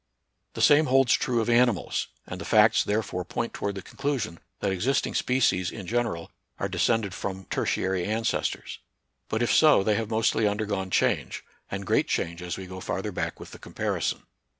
The same holds true of animals 5 and the facts therefore point toward the conclusion that existing species in general are descended from tertiary ancestors. But if so they have mostly undergone change, and great change as we go farther back with the comparison.